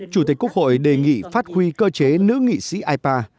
chủ tịch quốc hội đề nghị phát huy cơ chế nữ nghị sĩ ipa